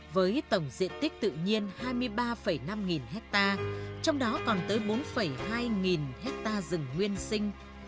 với tổng diện tích tự nhiên hai mươi ba năm nghìn hectare trong đó còn tới bốn hai nghìn hectare rừng nguyên sinh